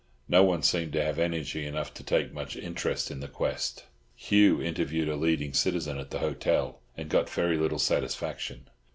No one seemed to have energy enough to take much interest in the quest. Hugh interviewed a leading citizen at the hotel, and got very little satisfaction.